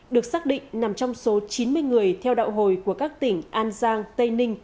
được xác định nằm trong số chín mươi người theo đạo hồi của các tỉnh an giang tây ninh